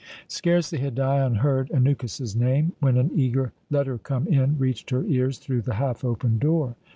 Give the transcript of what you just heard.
Scarcely had Dion heard Anukis's name, when an eager "Let her come in" reached her ears through the half open door.